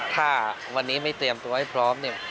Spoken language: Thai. ถ้าวันนี้ไม่เตรียมตัวให้พร้อมเนี่ย